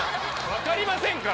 分かりませんか？